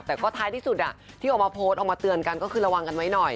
แต่ก็ท้ายที่สุดที่ออกมาโพสต์ออกมาเตือนกันก็คือระวังกันไว้หน่อย